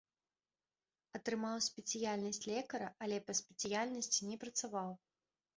Атрымаў спецыяльнасць лекара, але па спецыяльнасці не працаваў.